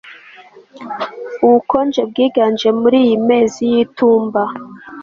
Ubukonje bwiganje muriyi mezi yitumba